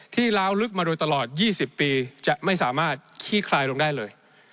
ล้าวลึกมาโดยตลอด๒๐ปีจะไม่สามารถขี้คลายลงได้เลย